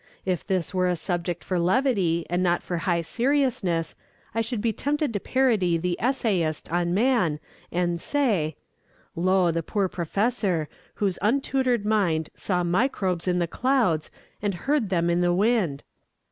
If this were a subject for levity, and not for high seriousness, I should be tempted to parody the essayist on Man, and say: Lo, the poor professor, whose untutored mind Saw microbes in the clouds, and heard them in the wind.